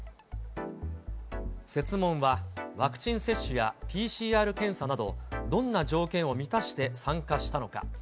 設問はワクチン接種やＰＣＲ検査など、どんな条件を満たして参加したのか。